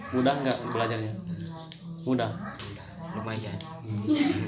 mudah nggak belajarnya mudah lumayan